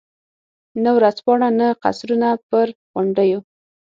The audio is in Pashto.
نه ورځپاڼه، نه قصرونه پر غونډیو.